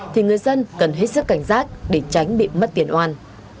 thì người dân cần hết sức cảnh giác để tránh bị mất tiền oan